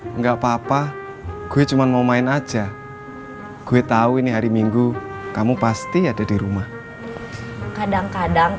enggak apa apa gue cuman mau main aja gue tahu ini hari minggu kamu pasti ada di rumah kadang kadang